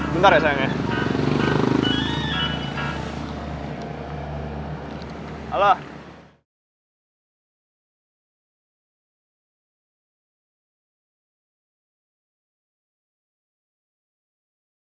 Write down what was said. bentar ya sayangnya